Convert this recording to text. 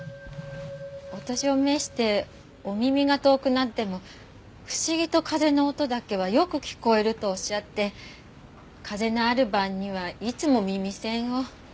お年を召してお耳が遠くなっても不思議と風の音だけはよく聞こえるとおっしゃって風のある晩にはいつも耳栓を。